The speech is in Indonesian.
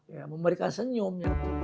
ya memberikan senyum